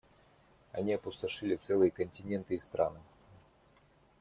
Они опустошили целые континенты и страны.